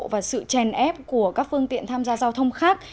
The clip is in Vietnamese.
và sự chèn ép của các phương tiện tham gia giao thông khác